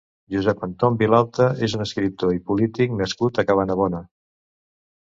Josep Anton Vilalta és un escriptor i polític nascut a Cabanabona.